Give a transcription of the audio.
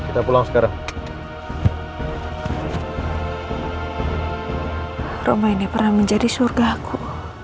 ini kan nomor telepon dari amerika